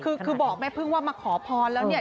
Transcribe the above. คือบอกแม่พึ่งว่ามาขอพรแล้วเนี่ย